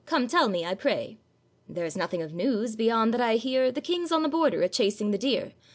come tell me, I pray?' 'There's nothing of news, beyond that I hear The King's on the border a chasing the deer.